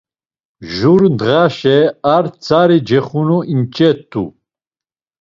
Jur ndğaşe ar tzari cexunu inç̌et̆u.